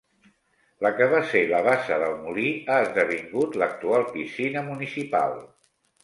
La que va ser la bassa del molí ha esdevingut l'actual piscina municipal.